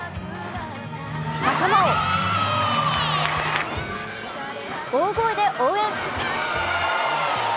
仲間を大声で応援。